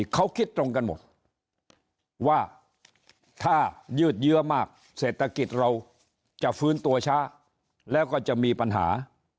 เขาคิดตรงกันหมดว่าถ้ายืดเยอะมากเศรษฐกิจเราจะฟื้นตัวช้าแล้วก็จะมีปัญหา